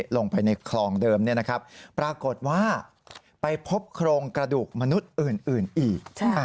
ลงไปในคลองเดิมปรากฏว่าไปพบโครงกระดูกมนุษย์อื่นอีก